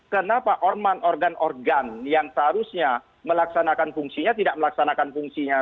kenapa organ organ organ yang seharusnya melaksanakan fungsinya tidak melaksanakan fungsinya